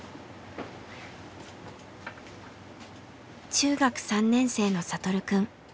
中学校３年生の聖くん。